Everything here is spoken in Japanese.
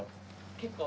結構。